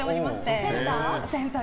センター？